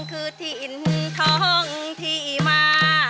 คือที่อินทองที่มา